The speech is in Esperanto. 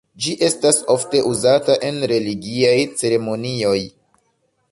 Ĝi estas ofte uzata en religiaj ceremonioj.